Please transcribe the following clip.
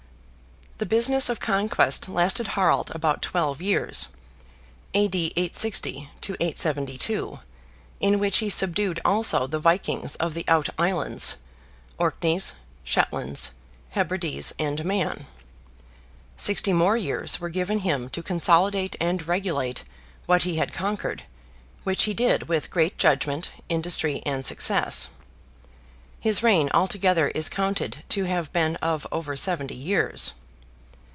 The business of conquest lasted Harald about twelve years (A.D. 860 872?), in which he subdued also the vikings of the out islands, Orkneys, Shetlands, Hebrides, and Man. Sixty more years were given him to consolidate and regulate what he had conquered, which he did with great judgment, industry and success. His reign altogether is counted to have been of over seventy years.